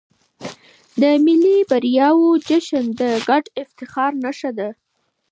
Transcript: د ملي بریاوو جشن د ګډ افتخار نښه ده.